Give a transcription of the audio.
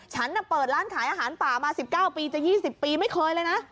ฉันเปิดร้านขายอาหารป่ามา๑๙ปีจะ๒๐ปีไม่เคยเลยนะ